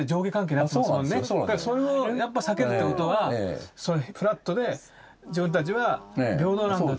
だからそれをやっぱ避けるってことはフラットで自分たちは平等なんだっていう。